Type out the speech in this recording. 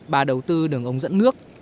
bà đầu tư đường ống dẫn nước